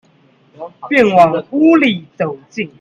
便往屋裡走進